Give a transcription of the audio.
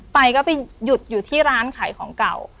ไปก็ไปหยุดอยู่ที่ร้านขายของเก่า